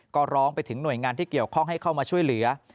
ก็ร้องไปถึงหน่วยงานที่เกี่ยวข้องให้เข้ามาช่วยเหลือ